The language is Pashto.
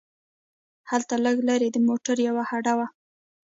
هلته لږ لرې د موټرو یوه هډه وه.